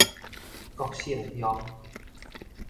國姓鄉